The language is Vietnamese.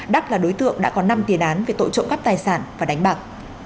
đắc là đối tượng đã có năm tiền án về tội trộm cắp tài sản và đánh bạc